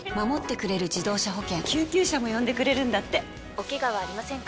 ・おケガはありませんか？